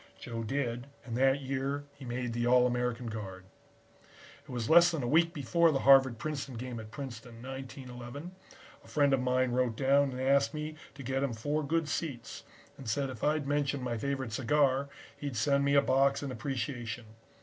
"Joe did and that year he made the All American guard. "It was less than a week before the Harvard Princeton game at Princeton, 1911, a friend of mine wrote down and asked me to get him four good seats, and said if I'd mention my favorite cigar, he'd send me a box in appreciation.